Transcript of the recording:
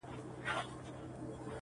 چي بې عزتو را سرتوري کړلې!.